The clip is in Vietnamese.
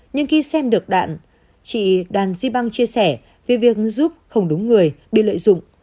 nhưng khi xem được đạn chị đoàn di bang chia sẻ về việc giúp không đúng người bị lợi dụng